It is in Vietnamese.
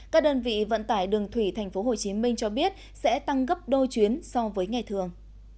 các đơn vị vận tải đường thủy tp hcm cho biết sẽ tăng gấp đôi chuyến so với ngày thường